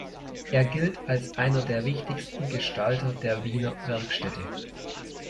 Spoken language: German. Er gilt als einer der wichtigsten Gestalter der Wiener Werkstätte.